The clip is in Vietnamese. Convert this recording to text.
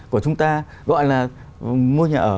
của chúng ta gọi là mua nhà ở